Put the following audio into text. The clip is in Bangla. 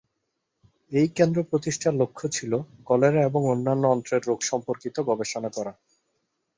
এই কেন্দ্র প্রতিষ্ঠার লক্ষ্য ছিল কলেরা এবং অন্যান্য অন্ত্রের রোগ সম্পর্কিত গবেষণা করা।